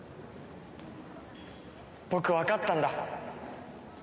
僕わかったんだ。